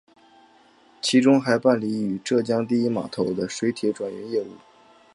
其中还办理与浙江第一码头的水铁转运业务。